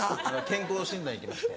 健康診断行きまして。